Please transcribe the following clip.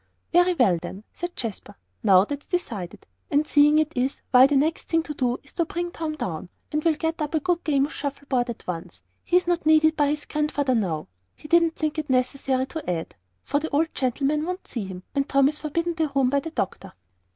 "Very well, then," said Jasper; "now that's decided. And seeing it is, why the next thing to do, is to bring Tom down, and we'll get up a game of shuffle board at once. He's not needed by his Grandfather now." He didn't think it necessary to add, "for the old gentleman won't see him, and Tom is forbidden the room by the doctor."